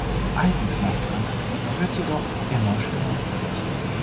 Ivys Nachtangst wird jedoch immer schlimmer.